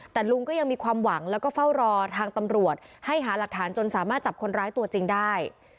แต่ลุงก็ยังมีความหวังแล้วก็เฝ้ารอทางตำรวจให้หาหลักฐานจนสามารถจับคนร้ายตัวจริงได้